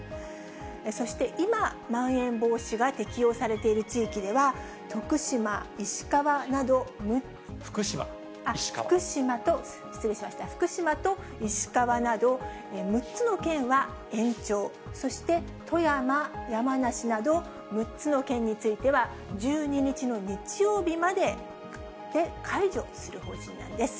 そして今、まん延防止が適用されている地域では、福島と石川など、６つの県は延長、そして富山、山梨など、６つの県については、１２日の日曜日までで解除する方針なんです。